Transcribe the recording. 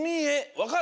わかる？